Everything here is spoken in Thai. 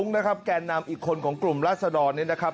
รุ้งนะครับแกนนามอีกคนของกลุ่มรัษฎรเนี่ยนะครับ